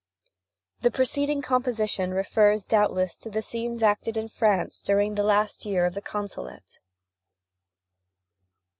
[The preceding composition refers, doubtless, to the scenes acted in France during the last year of the Consulate.